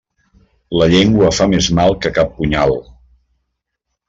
La llengua fa més mal que cap punyal.